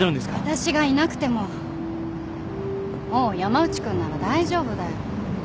私がいなくてももう山内君なら大丈夫だよ。